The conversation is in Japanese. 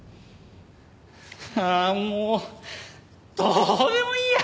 ああもうどうでもいいや！